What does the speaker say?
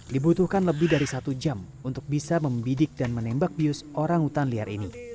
dibutuhkan lebih dari satu jam untuk bisa membidik dan menembak bius orang hutan liar ini